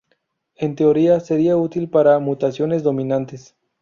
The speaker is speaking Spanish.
En teoría sería útil para mutaciones dominantes.